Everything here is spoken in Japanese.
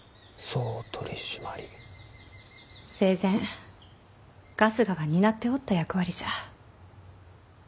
生前春日が担っておった役割じゃ。